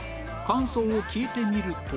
感想を聞いてみると